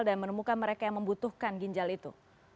dan menemukan mereka yang membutuhkan ginjal itu